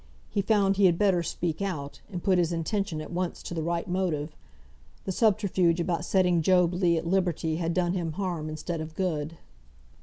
He found he had better speak out, and put his intention at once to the right motive; the subterfuge about setting Job Legh at liberty had done him harm instead of good.